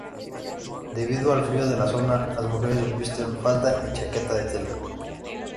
Debido al frío de la zona, las mujeres visten faldas y chaquetas de tela.